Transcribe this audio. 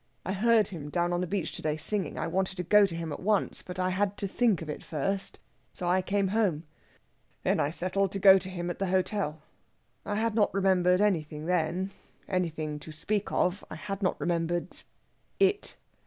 I heard him down on the beach to day singing. I wanted to go to him at once, but I had to think of it first, so I came home. Then I settled to go to him at the hotel. I had not remembered anything then anything to speak of I had not remembered IT.